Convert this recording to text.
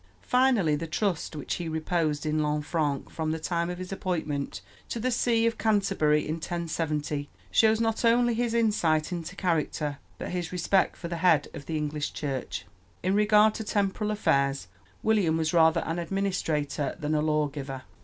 Finally, the trust which he reposed in Lanfranc from the time of his appointment to the see of Canterbury in 1070 shows not only his insight into character but his respect for the head of the English Church. In regard to temporal affairs William was rather an administrator than a lawgiver.